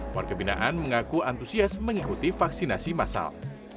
warga binaan mengaku antusias mengikuti vaksinasi masal